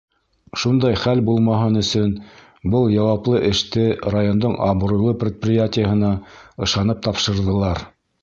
Шундай хәл булмаһын өсөн был яуаплы эште райондың абруйлы предприятиеһына ышанып тапшырҙылар.